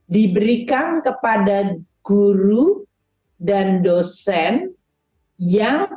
diberikan kepada guru dan dosen yang tidak mendapatkan tunjangan kinerja